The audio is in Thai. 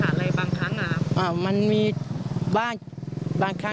ไม่พอคง๓เดือน๔เดือนก่อนครับ